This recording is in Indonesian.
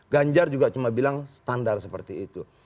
ganjar juga cuma bilang standar seperti itu